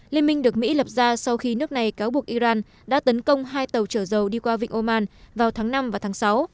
liên minh được mỹ lập ra sau khi nước này cáo buộc iran đã tấn công hai tàu chở dầu đi qua vịnh oman vào tháng năm và tháng sáu